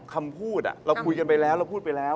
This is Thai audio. คำพูดเราคุยกันไปแล้วเราพูดไปแล้ว